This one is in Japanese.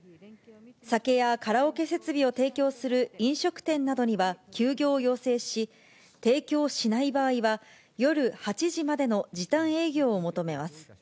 酒やカラオケ設備を提供する飲食店などには休業を要請し、提供しない場合は、夜８時までの時短営業を求めます。